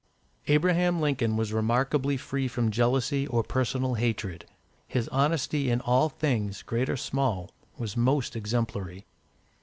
Abraham Lincoln was remarkably free from jealousy or personal hatred. His honesty in all things, great or small, was most exemplary.